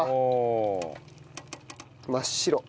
真っ白。